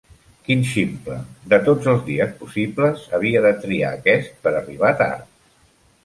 Quin ximple! De tots els dies possibles, havia de triar aquest per arribar tard.